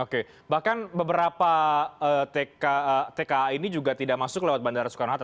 oke bahkan beberapa tka ini juga tidak masuk lewat bandara soekarno hatta